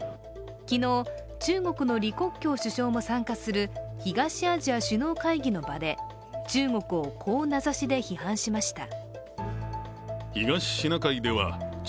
昨日、中国の李克強首相も参加する東アジア首脳会議の場で、中国をこう名指しで批判しました。